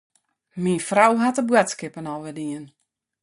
Myn frou hat de boadskippen al wer dien.